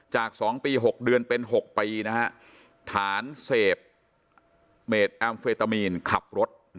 ๒ปี๖เดือนเป็น๖ปีนะฮะฐานเสพเมดแอมเฟตามีนขับรถ